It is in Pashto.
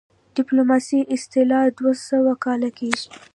د ډيپلوماسۍ اصطلاح دوه سوه کاله کيږي